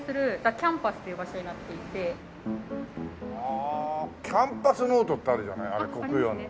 ああキャンパスノートってあるじゃないコクヨの。